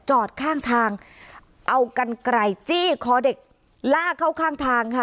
จอดข้างทางเอากันไกลจี้คอเด็กลากเข้าข้างทางค่ะ